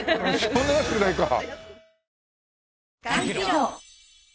そんな安くないか。